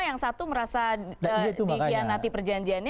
yang satu merasa dikhianati perjanjiannya